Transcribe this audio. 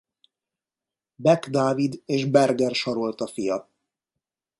Beck Dávid és Berger Sarolta fia.